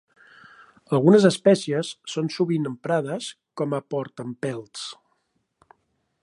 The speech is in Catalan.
Algunes espècies són sovint emprades com a portaempelts.